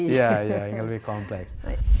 ya lebih kompleks